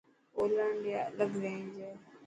ٻولڻ ري الگ رينج هي.